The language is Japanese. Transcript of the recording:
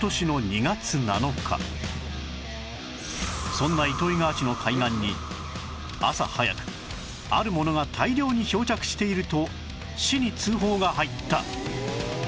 そんな糸魚川市の海岸に朝早くあるものが大量に漂着していると市に通報が入った